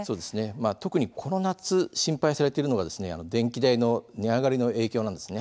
特にこの夏心配されているのが電気代の値上がりの影響です。